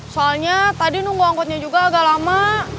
soalnya tadi nunggu angkutnya juga agak lama